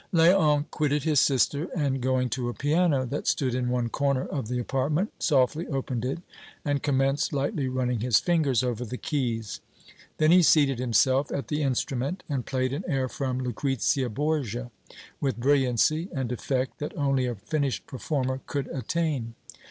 Léon quitted his sister and, going to a piano that stood in one corner of the apartment, softly opened it and commenced lightly running his fingers over the keys; then he seated himself at the instrument and played an air from "Lucrezia Borgia" with brilliancy and effect that only a finished performer could attain.